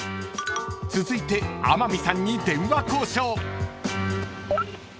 ［続いて天海さんに電話交渉］